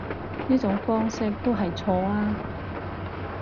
呢種方式都係錯啊